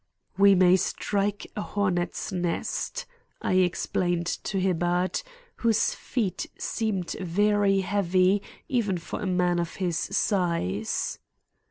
"We may strike a hornets' nest," I explained to Hibbard, whose feet seemed very heavy even for a man of his size.